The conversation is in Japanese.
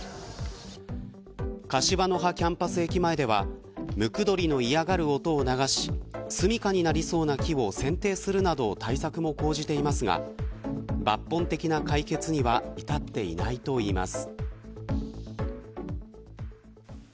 柏の葉キャンパス駅前ではムクドリの嫌がる音を流しすみかになりそうな木を剪定するなど対策も講じていますが抜本的な解決には至っていないといいます。